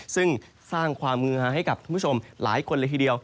ซึ่งสร้างความมือหาให้กับคุณผู้ชมหลายคนเลยทีเดียว